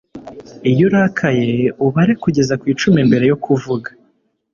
Iyo urakaye ubare kugeza ku icumi mbere yo kuvuga